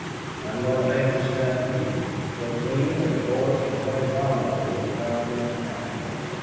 I'm going to make this town clean, so clean that the boys can play dominoes without being laughed at.